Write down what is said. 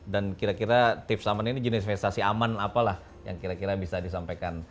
dan kira kira tips aman ini jenis investasi aman apalah yang kira kira bisa disampaikan